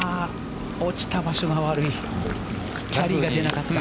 落ちた場所が悪い。